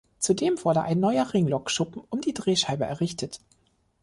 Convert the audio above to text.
Zudem wurde ein neuer Ringlokschuppen um die Drehscheibe errichtet.